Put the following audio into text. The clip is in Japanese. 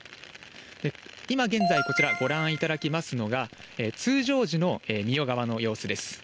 今現在、こちら、ご覧いただきますのが、通常時の三代川の様子です。